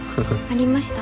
ありました。